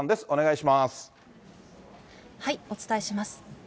お伝えします。